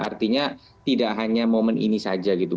artinya tidak hanya momen ini saja gitu